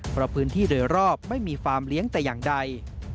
เพราะพื้นที่โดยรอบไม่มีฟาร์มเลี้ยงแต่อย่างใด